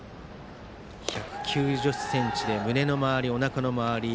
１９０ｃｍで胸の周り、おなかの周り